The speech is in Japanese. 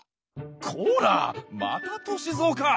こらまた歳三か！